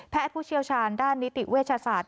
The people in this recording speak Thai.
ผู้เชี่ยวชาญด้านนิติเวชศาสตร์